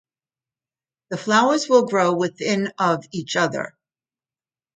The flowers will grow within of each other.